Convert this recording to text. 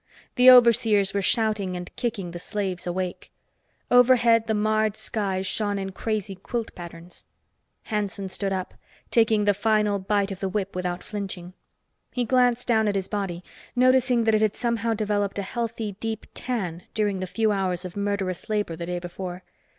The overseers were shouting and kicking the slaves awake. Overhead the marred sky shone in crazy quilt patterns. Hanson stood up, taking the final bite of the whip without flinching. He glanced down at his body, noticing that it had somehow developed a healthy deep tan during the few hours of murderous labor the day before.